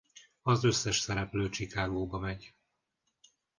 Az összes szereplő Chicagoba megy.